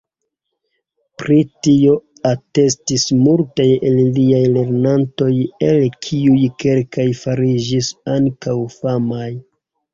Pri tio atestis multaj el liaj lernantoj el kiuj kelkaj fariĝis ankaŭ famaj.